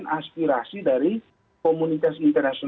ya dia harus memperhatikan aspirasi dan itu adalah hal yang harus diperhatikan